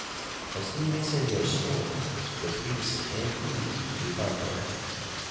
As the messenger spoke, the priest and he departed.